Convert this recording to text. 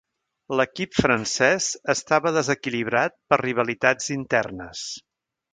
L'equip francès estava desequilibrat per rivalitats internes.